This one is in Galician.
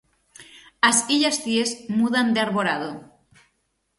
As Illas Cíes mudan de arborado.